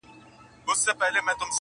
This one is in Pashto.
شپه د مستۍ ده له خمار سره مي نه لګیږي-